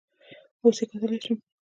اوس یې کتلی شم؟